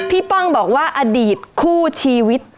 ป้องบอกว่าอดีตคู่ชีวิต